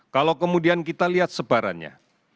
kalau kemudian kita lihat sebarannya